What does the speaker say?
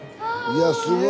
いやすごい。